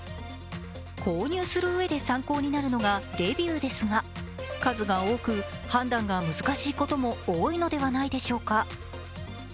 購入するうえで参考になるのがレビューですが数が多く、判断が難しいことも多いのではないでしょうか。